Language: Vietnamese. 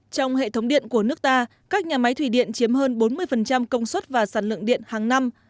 trong hệ thống điện của nước ta các nhà máy thủy điện chiếm hơn bốn mươi công suất và sản lượng điện hàng năm